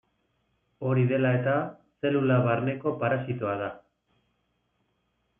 Hori dela-eta, zelula barneko parasitoa da.